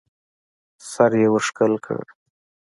سر يې ورښکل کړ.